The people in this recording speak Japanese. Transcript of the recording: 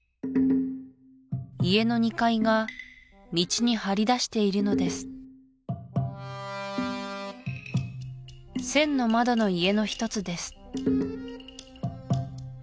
家の２階が道に張り出しているのです千の窓の家の一つです